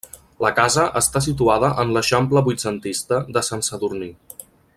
La casa està situada en l'eixample vuitcentista de Sant Sadurní.